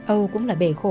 âu cũng là bề khổ